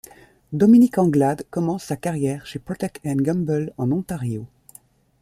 Dominique Anglade commence sa carrière chez Procter & Gamble en Ontario.